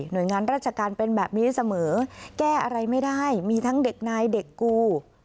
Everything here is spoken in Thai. โดยงานราชการเป็นแบบนี้เสมอแก้อะไรไม่ได้มีทั้งเด็กนายเด็กกู